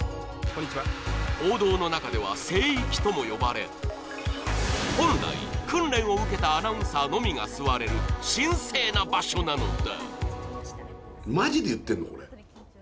報道の中では聖域とも呼ばれ本来、訓練を受けたアナウンサーのみが座れる神聖な場所なのだ。